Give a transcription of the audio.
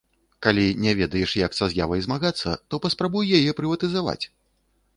Калі не ведаеш, як са з'явай змагацца, то паспрабуй яе прыватызаваць.